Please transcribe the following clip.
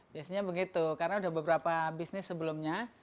biasanya begitu karena sudah beberapa bisnis sebelumnya